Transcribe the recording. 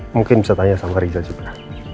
mungkin bisa tanya sama riza juga